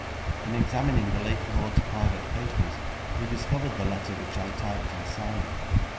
In examining the late lord's private papers, he discovered the letter which I typed and signed.